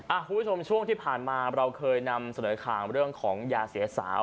คุณผู้ชมช่วงที่ผ่านมาเราเคยนำเสนอข่าวเรื่องของยาเสียสาว